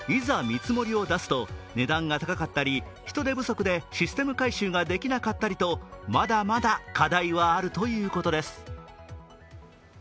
見積もりを出すと値段が高かったり人手不足でシステム改修ができなかったりとまだまだ課題はあるということです。